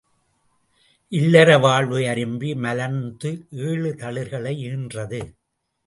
இல்லற வாழ்வு அரும்பி மலர்ந்து ஏழு தளிர்களை ஈன்றது.